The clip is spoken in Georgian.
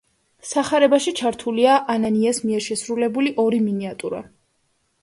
სახარებაში ჩართულია ანანიას მიერ შესრულებული ორი მინიატიურა.